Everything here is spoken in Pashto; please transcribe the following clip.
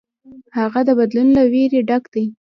هغه د بدلون له ویرې ډک دی.